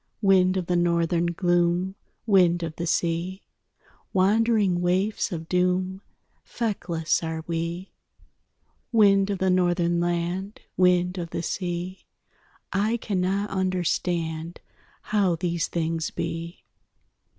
Wind of the Northern gloom, Wind of the sea, Wandering waifs of doom Feckless are we. Wind of the Northern land, Wind of the sea, I cannot understand How these things be.